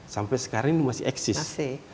sampai sekarang ini masih eksis